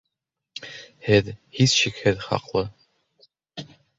Һеҙ, һис шикһеҙ, хаҡлы